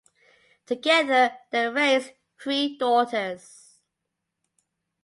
Together they raised three daughters.